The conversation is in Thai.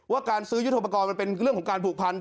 การซื้อยุทธโปรกรณ์มันเป็นเรื่องของการผูกพัน